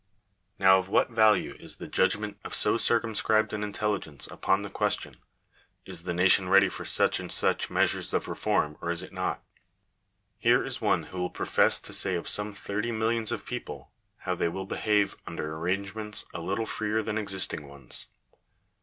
Now of what value is the judgment of so circumscribed an intelligence upon the question — Is the nation ready for such Digitized by VjOOQIC CONCLUSION. 473 and such measures of reform, or is it not ? Here is one who professes to say of some thirty millions of people, how they will behave under arrangements a little freer than existing ones.